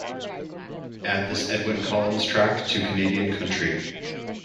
Add this edwyn collins track to Canadian Country